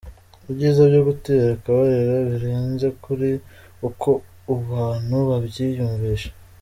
Ibyiza byo gutera akabariro birenze kure uko abantu babyiyumvisha.